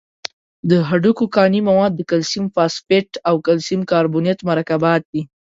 د هډوکو کاني مواد د کلسیم فاسفیټ او کلسیم کاربونیت مرکبات دي.